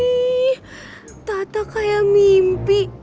ih tata kayak mimpi